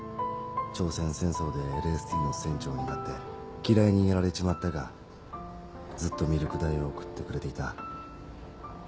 朝鮮戦争でＬＳＴの船長になって機雷にやられちまったがずっとミルク代を送ってくれていた。